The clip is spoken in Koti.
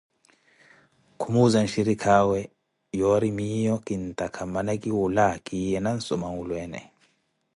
Khumuuza nshirikaawe yoori miiyo kintaaka mmana khiwula kiye nansoma nwulweene.